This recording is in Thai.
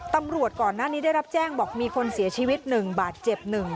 ตำรวจก่อนหน้านี้ได้รับแจ้งบอกมีคนเสียชีวิตหนึ่งบาดเจ็บหนึ่ง